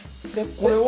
これを？